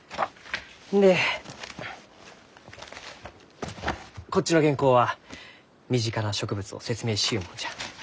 でこっちの原稿は身近な植物を説明しゆうもんじゃ。